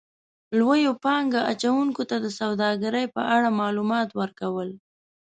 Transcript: -لویو پانګه اچونکو ته د سوداګرۍ په اړه مالومات ورکو ل